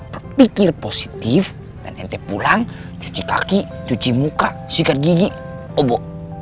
perpikir positif dan ente pulang cuci kaki cuci muka sikat gigi obo